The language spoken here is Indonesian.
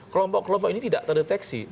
kelompok kelompok ini tidak terdeteksi